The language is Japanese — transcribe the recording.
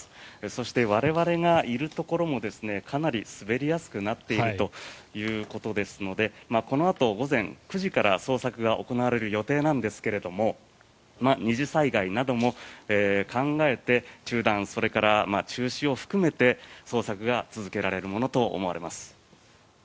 そして我々がいるところもかなり滑りやすくなっているということですのでこのあと午前９時から捜索が行われる予定なんですが二次災害なども考えて、中断それから中止を含めて捜索が続けられるものと思われます。